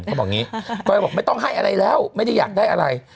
เขาบอกอย่างนี้ก็เลยบอกไม่ต้องให้อะไรแล้วไม่ได้อยากได้อะไร